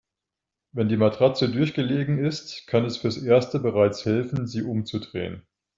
Wenn die Matratze durchgelegen ist, kann es fürs Erste bereits helfen, sie umzudrehen.